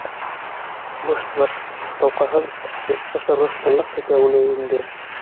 Бушлыҡ, толҡаһыҙ, эс бошорғос тынлыҡ көтә уны өйөндә.